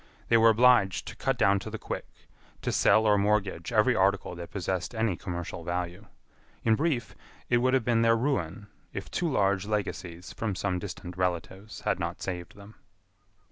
They were obliged to cut down to the quick, to sell or mortgage every article that possessed any commercial value. In brief, it would have been their ruin, if two large legacies from some distant relatives had not saved them.